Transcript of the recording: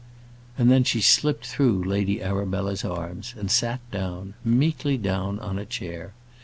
And then she slipped through Lady Arabella's arms, and sat down, meekly down, on a chair.